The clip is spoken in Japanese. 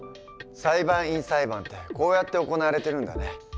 裁判員裁判ってこうやって行われてるんだね。